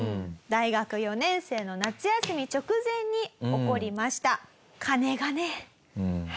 大学４年生の夏休み直前に起こりました。